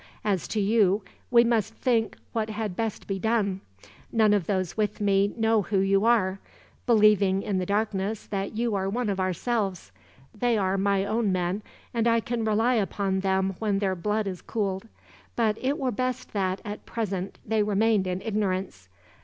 As to you, we must think what had best be done. None of those with me know who you are; believing, in the darkness, that you are one of ourselves. They are my own men, and I can rely upon them when their blood is cooled; but it were best that, at present, they remained in ignorance.